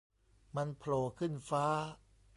มันโผล่ขึ้นฟ้า